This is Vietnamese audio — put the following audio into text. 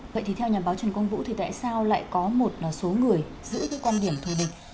vậy thì theo nhà báo trần công vũ thì tại sao lại có một số người giữ cái quan điểm thù địch